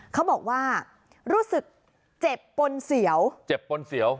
เขาบอกว่ารู้สึกเจ็บปนเสียวเจ็บปนเสียว